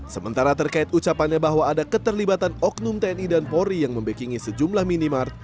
sementara terkait ucapannya bahwa ada keterlibatan oknum tni dan polri yang membekingi sejumlah minimark